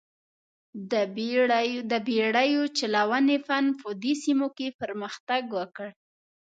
د بېړیو چلونې فن په دې سیمو کې پرمختګ وکړ.